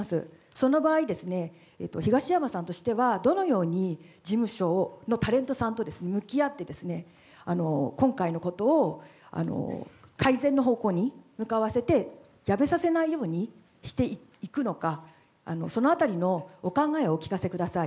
その場合、東山さんとしてはどのように事務所のタレントさんと向き合って、今回のことを改善の方向に向かわせて、辞めさせないようにしていくのか、そのあたりのお考えをお聞かせください。